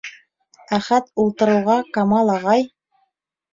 Әхәт ултырыуға, Камал ағай: